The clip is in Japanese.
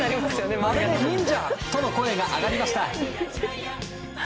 まるでニンジャ！との声が上がりました。